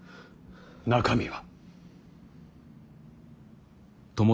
中身は。